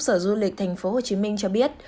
sở du lịch tp hcm cho biết